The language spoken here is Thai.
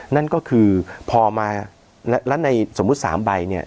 นั่นก็คือพอมาแล้วในสมมุติ๓ใบเนี่ย